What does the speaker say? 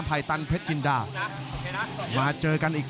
รับทราบบรรดาศักดิ์